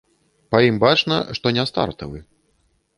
Па ім бачна, што не стартавы.